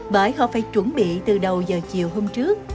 bởi họ phải chuẩn bị từ đầu giờ chiều hôm trước